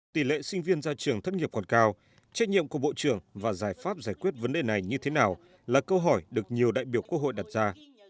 tỷ lệ sinh viên ra trường thất nghiệp còn cao trách nhiệm của bộ trưởng và giải pháp giải quyết vấn đề này như thế nào là câu hỏi được nhiều đại biểu quốc hội đặt ra